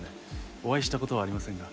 お会いした事はありませんが。